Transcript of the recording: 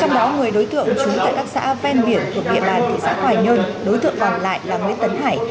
trong đó người đối tượng chú tại các xã ven biển của địa bàn thị xã hoài nhơn đối tượng còn lại là nguyễn tấn hải